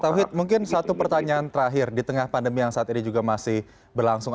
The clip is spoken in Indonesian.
tauhid mungkin satu pertanyaan terakhir di tengah pandemi yang saat ini juga masih berlangsung